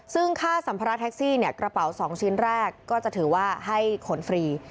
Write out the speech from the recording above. ซึ่งค่าสัมภาระแท็กซี่กระเป๋า๒ชิ้นแรกก็จะถือว่าให้ขนฟรี